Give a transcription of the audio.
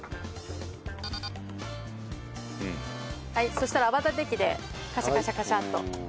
そしたら泡立て器でカシャカシャカシャッと。